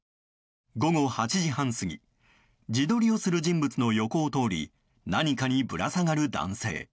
午後８時半過ぎ自撮りをする人物の横を通り何かにぶら下がる男性。